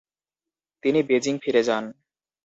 তিনি বেজিং ফিরে যান।